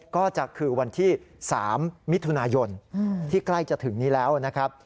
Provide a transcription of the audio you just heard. ก็จะคือวันที่๓มิถุนายนที่ใกล้จะถึงนี้แล้วนะครับ